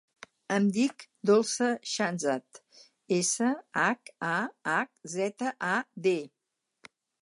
Em dic Dolça Shahzad: essa, hac, a, hac, zeta, a, de.